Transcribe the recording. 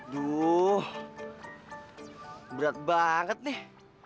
duh berat banget nih